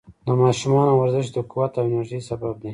د ماشومانو ورزش د قوت او انرژۍ سبب دی.